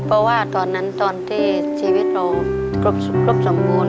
เพราะว่าตอนนั้นตอนที่ชีวิตเราครบสมบูรณ์